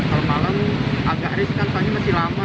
kalau malam agak hari sekarang pagi masih lama